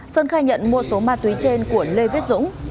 sơn khai nhận mua số ma túy trên của lê viết dũng